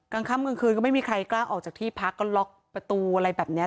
กลางค่ำกลางคืนก็ไม่มีใครกล้าออกจากที่พักก็ล็อกประตูอะไรแบบนี้